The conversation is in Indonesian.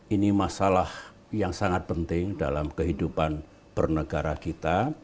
ini masalah yang sangat penting dalam kehidupan bernegara kita